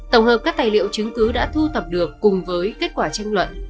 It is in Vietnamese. tổng hợp các tài liệu chứng cứ đã thu thập được cùng với kết quả tranh luận